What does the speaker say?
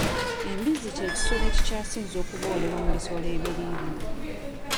Embizzi ky'ekisolo ekikyasinze okuboolebwa mu bisolo ebiriibwa.